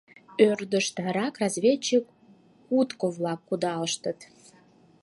Ӧрдыжтырак разведчик кутко-влак кудалыштыт.